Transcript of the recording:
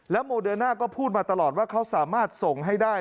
โมเดิร์น่าก็พูดมาตลอดว่าเขาสามารถส่งให้ได้